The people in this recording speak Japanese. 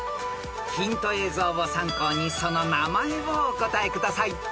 ［ヒント映像を参考にその名前をお答えください］